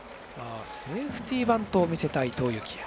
セーフティーバントを見せた伊藤裕季也。